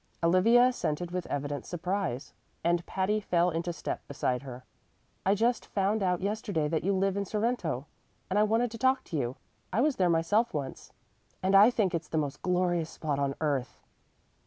Olivia assented with evident surprise, and Patty fell into step beside her. "I just found out yesterday that you live in Sorrento, and I wanted to talk to you. I was there myself once, and I think it's the most glorious spot on earth."